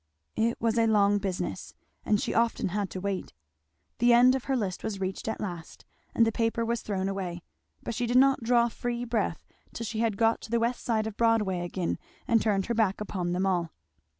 It was a long business; and she often had to wait. The end of her list was reached at last, and the paper was thrown away; but she did not draw free breath till she had got to the west side of Broadway again, and turned her back upon them all.